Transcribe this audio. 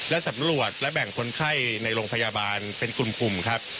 และสำรวจและแบ่งคนไข้ในโรงพยาบาลเป็นกลุ่มครับ